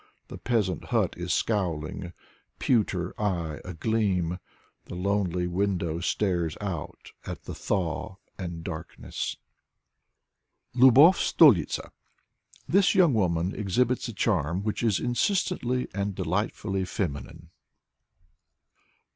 The peasant hut is scowling ; pewter eye agleam, The lonely window stares out at the thaw and darkness. Lubov Stolitza This youDg woman poet exhibits a charm which is insistently and delightfully feminine.